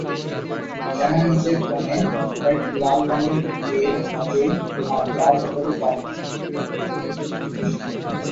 ডানার নিচের কোণে কয়েকটা লাল রঙের বেড় থাকে আর তার ভেতরে কালো।